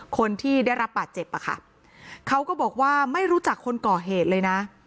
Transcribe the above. คนที่ได้รับบาดเจ็บอะค่ะเขาก็บอกว่าไม่รู้จักคนก่อเหตุเลยนะ